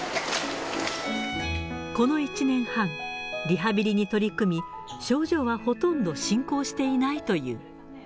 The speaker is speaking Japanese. この１年半、リハビリに取り組み、症状はほとんど進行していないという。